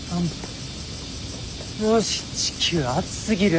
マジ地球暑すぎる。